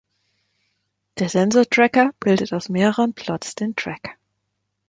Der Sensor Tracker bildet aus mehreren Plots den Track.